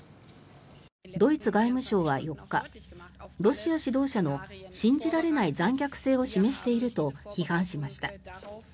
ドイツ外務省は４日ロシア指導者の信じられない残虐性を示していると批判しました。